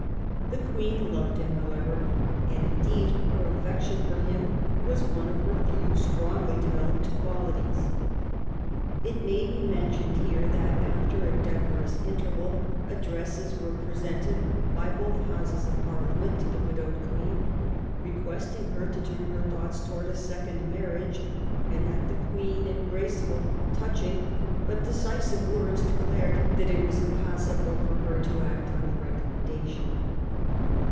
The Queen loved him, however, and, indeed, her affec tion for him was one of her few strongly developed qualities. It may be mentioned here that, after a decorous interval, addresses were presented by both Houses of Parliament to the widowed Queen request ing her to turn her thoughts towards a second marriage, and that the Queen, in graceful, touching, but decisive words, declared that it was impossible for her to act on the recommendation.